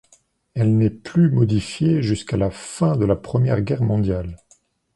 Elle n'est plus modifiée jusqu'à la fin de la Première Guerre mondiale.